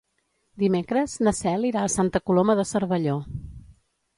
Dimecres na Cel irà a Santa Coloma de Cervelló.